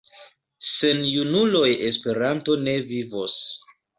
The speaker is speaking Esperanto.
Sen junuloj Esperanto ne vivos.